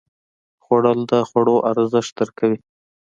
خوړل د خوړو ارزښت درک کوي